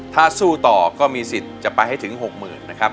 ถ้าสู้ต่อก็มีสิทธิ์จะไปให้ถึง๖๐๐๐นะครับ